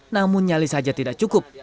namun nyali saja tidak cukup